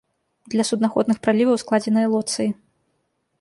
Для суднаходных праліваў складзеныя лоцыі.